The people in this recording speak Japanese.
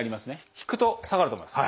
引くと下がると思います。